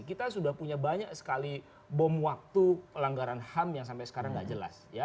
kita sudah punya banyak sekali bom waktu pelanggaran ham yang sampai sekarang tidak jelas